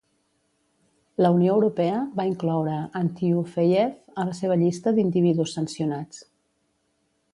La Unió Europea va incloure Antyufeyev a la seva llista d'individus sancionats.